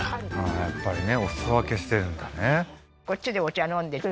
やっぱりねお裾分けしてるんだね